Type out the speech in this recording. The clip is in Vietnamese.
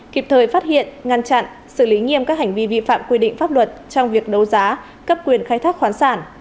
kịp thời phát hiện ngăn chặn xử lý nghiêm các hành vi vi phạm quy định pháp luật trong việc đấu giá cấp quyền khai thác khoản sản